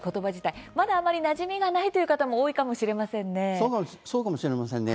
まだ、あまりなじみがないという方も多いかもしれませんね。